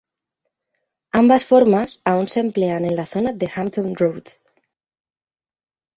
Ambas formas aún se emplean en la zona de Hampton Roads.